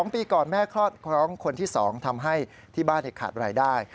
๒ปีก่อนแม่คลอดคล้องคนที่๒ทำให้ที่บ้านขาดรายได้